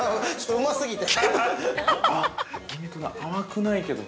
うま過ぎて。